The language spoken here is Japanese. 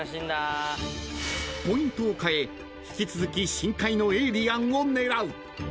［ポイントを変え引き続き深海のエイリアンを狙う］